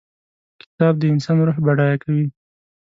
کتاب د انسان روح بډای کوي.